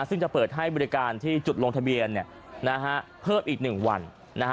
ซึ่งจะเปิดให้บริการที่จุดลงทะเบียนเพิ่มอีก๑วัน